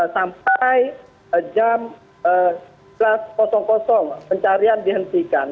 sampai jam sebelas pencarian dihentikan